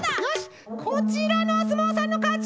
こちらのおすもうさんのかち！